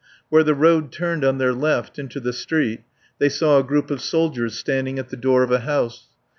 Where the road turned on their left into the street they saw a group of soldiers standing at the door of a house.